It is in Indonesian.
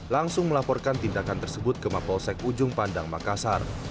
langsung melaporkan tindakan tersebut ke mapolsek ujung pandang makassar